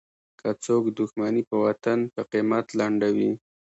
که څوک دوښمني په وطن په قیمت لنډوي.